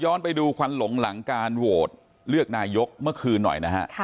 ไปดูควันหลงหลังการโหวตเลือกนายกเมื่อคืนหน่อยนะฮะ